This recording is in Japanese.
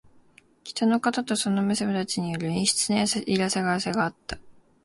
北の方とその娘たちによる陰湿な嫌がらせがあった。